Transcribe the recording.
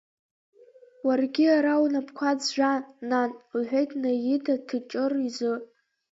Уаргьы ара унапқәа ӡәӡәа, нан, — лҳәеит Наида Тыҷыр изы.